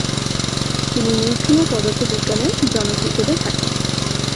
তিনি নিউক্লীয় পদার্থবিজ্ঞানের "জনক" হিসেবে খ্যাত।